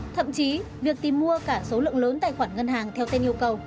thậm chí việc tìm mua cả số lượng lớn tài khoản ngân hàng theo tên yêu cầu